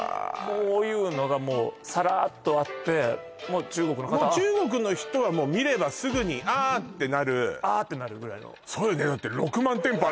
こういうのがもうサラッとあってもう中国の方はもう中国の人は見ればすぐに「ああ！」ってなる「ああ！」ってなるぐらいのそうよね